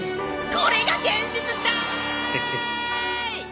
これが現実だーい！